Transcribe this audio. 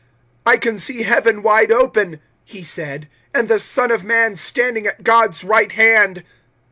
007:056 "I can see Heaven wide open," he said, "and the Son of Man standing at God's right hand."